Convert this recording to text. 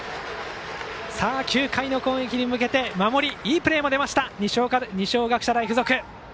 ９回の攻撃に向けて守り、いいプレーも出ました二松学舎大付属。